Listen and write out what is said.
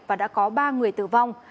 và đã có ba người tử vong